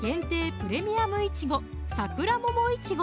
プレミアム苺「さくらももいちご」